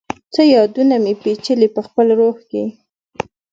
څه یادونه مي، پیچلي پخپل روح کي